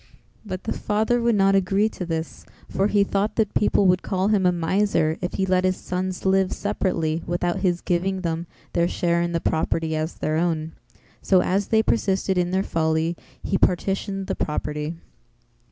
But the father would not agree to this for he thought that people would call him a miser if he let his sons live separately without his giving them their share in the property as their own, So as they persisted in their folly he partitioned the property.